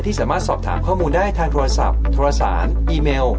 สามารถสอบถามข้อมูลได้ทางโทรศัพท์โทรศัพท์อีเมล